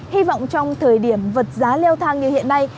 hy vọng trong thời điểm vật giá leo thang như hiện nay